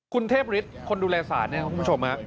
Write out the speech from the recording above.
คุณเทพฤทธิ์คนดูแลสารคุณผู้ชม